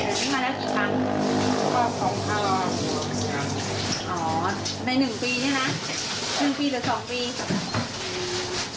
ในหนึ่งปีนี้ใช่ไหม